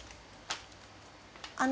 あの。